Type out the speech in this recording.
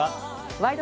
「ワイド！